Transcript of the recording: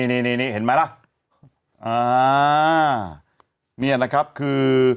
นี่นี่เห็นไหมล่ะอ่าเนี่ยนะครับคือ